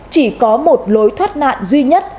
chỉ có một lối thoát nạn duy nhất